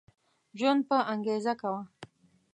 ژوند په انګيزه کوه